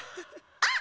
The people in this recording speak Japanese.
あっ！